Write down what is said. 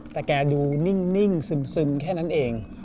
แต่แกดูนิ่งซึมแค่นั้นเอง